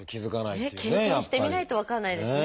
経験してみないと分からないですね。